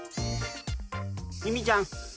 みみちゃん！